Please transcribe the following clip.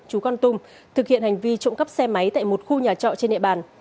chú con tum thực hiện hành vi trộm cắp xe máy tại một khu nhà trọ trên địa bàn